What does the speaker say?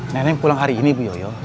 nenek pulang hari ini bu yoyo